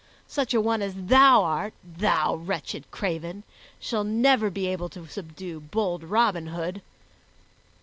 Such a one as thou art, thou wretched craven, will never be able to subdue bold Robin Hood."